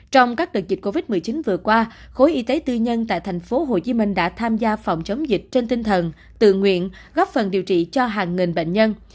trong các đợt dịch covid một mươi chín vừa qua khối y tế tư nhân tại tp hcm đã tham gia phòng chống dịch trên tinh thần tự nguyện góp phần điều trị cho hàng nghìn bệnh nhân